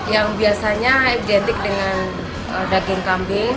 yang biasanya identik dengan daging kambing